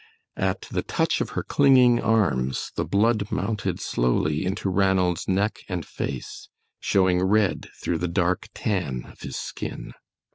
At the touch of her clinging arms the blood mounted slowly into Ranald's neck and face, showing red through the dark tan of his skin.